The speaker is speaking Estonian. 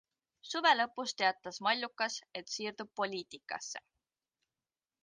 Suve lõpus teatas Mallukas, et siirdub poliitikasse!